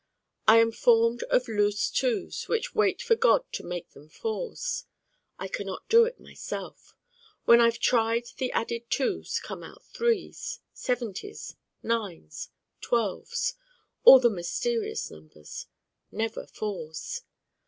I am formed of loose Twos which wait for God to make them Fours. I can not do it myself. When I've tried the added Twos come out threes, seventies, nines, twelves all the mysterious numbers. Never Fours.